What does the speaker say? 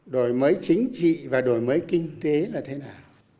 đổi mới chính trị và đổi mới kinh tế là thế nào